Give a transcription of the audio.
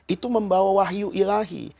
itu membawa wahyu ilahi